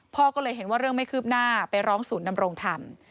พ่อก็เลยเห็นว่าเรื่องไม่คืบหน้าไปร้องศูนย์ดำรงธรรม